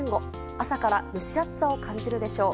朝から蒸し暑さを感じるでしょう。